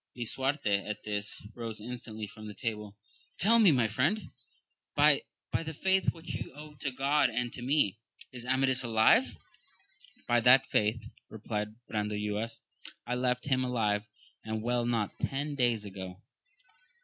Lisuarte at this, rose instantly from table ;— Tell me, my friend, by the faith which you owe to God and to me, is Amadis alive 1 By that faith, replied Brandoyuas, I left him alive and well not ten days ago